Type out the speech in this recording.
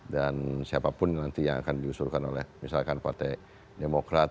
dan siapapun nanti yang akan disuruhkan oleh misalkan partai demokrat